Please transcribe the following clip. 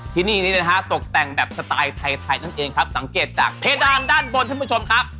ที่นี่นี้นะฮะตกแต่งแบบสไตล์ไทยไทยนั่นเองครับสังเกตจากเพดานด้านบนท่านผู้ชมครับ